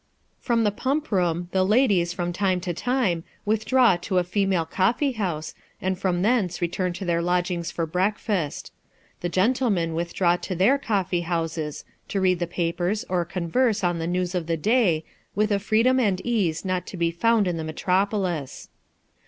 From the pump room the ladies, from time to time, withdraw to a female coffee house, and from thence return to their lodgings to breakfast. The gentlemen withdraw to their coffee houses, to read the papers, or converse on the news of the day, with a freedom and ease not to be found in the metropolis.